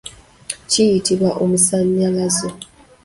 Kiyitibwa omusannyalazo.